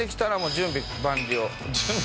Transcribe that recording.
準備万了？